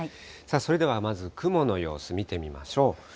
それではまず雲の様子見てみましょう。